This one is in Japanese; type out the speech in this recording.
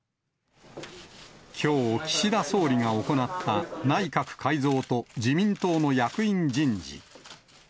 きょう、岸田総理が行った内閣改造と自民党の役員人事。